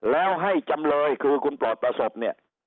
แล้วให้จำเลยคือคุณปลอดประสบเนี่ย